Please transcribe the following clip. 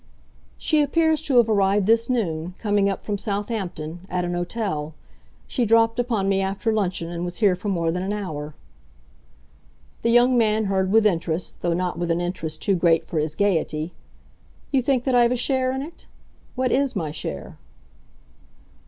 "She appears to have arrived this noon coming up from Southampton; at an hotel. She dropped upon me after luncheon and was here for more than an hour." The young man heard with interest, though not with an interest too great for his gaiety. "You think then I've a share in it? What IS my share?"